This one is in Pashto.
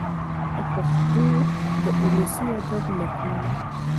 د پښتو د ولسي ادب نکلونه،